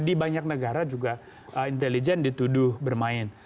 di banyak negara juga intelijen dituduh bermain